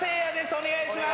お願いします。